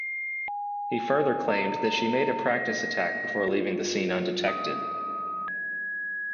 He further claimed she made a practice attack before leaving the scene undetected.